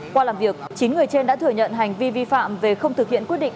qua làm việc chín người trên đã thừa nhận hành vi vi phạm về không thực hiện quyết định